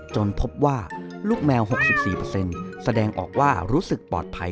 พบว่าลูกแมว๖๔แสดงออกว่ารู้สึกปลอดภัย